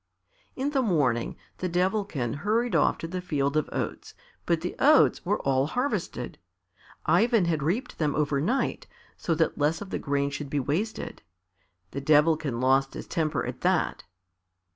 In the morning the Devilkin hurried off to the field of oats, but the oats were all harvested. Ivan had reaped them overnight so that less of the grain should be wasted. The Devilkin lost his temper at that.